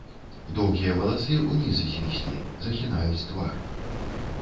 Доўгія валасы ўніз звіслі, захінаюць твар.